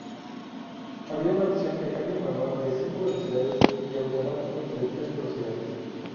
Había una opción de cambio manual de cinco velocidades y automáticos de tres velocidades.